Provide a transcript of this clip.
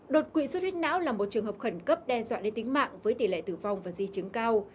đột quỵ suất huyết não là một trường hợp khẩn cấp đe dọa đến tính mạng với tỷ lệ tử vong và di chứng cao